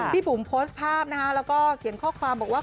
บุ๋มโพสต์ภาพนะคะแล้วก็เขียนข้อความบอกว่า